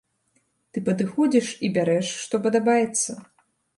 Ты падыходзіш і бярэш што падабаецца.